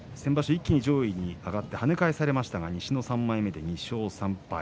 一気に上位に上がって跳ね返されましたが西の３枚目で２勝３敗。